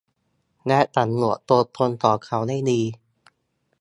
และสำรวจตัวตนของเขาให้ดี